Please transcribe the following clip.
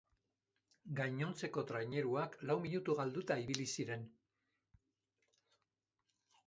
Gainontzeko traineruak lau minutu galduta ibili ziren.